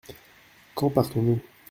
Quand partons-nous ?